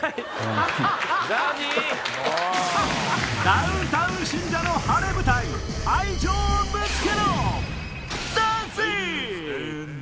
ダウンタウン信者の晴れ舞台愛情をぶつけろ！